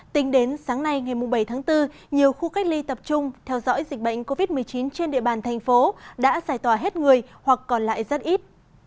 tính đến sáng nay ngày bảy tháng bốn nhiều khu cách ly tập trung theo dõi dịch bệnh covid một mươi chín trên địa bàn thành phố đã giải tỏa hết người hoặc còn lại rất ít